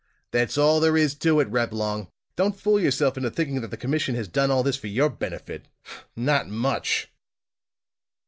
That's all there is to it, Reblong! Don't fool yourself into thinking that the commission has done all this for your benefit! Not much!"